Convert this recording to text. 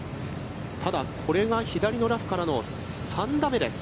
ただ、これが左のラフからの３打目です。